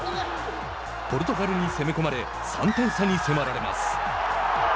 ポルトガルに攻め込まれ３点差に迫られます。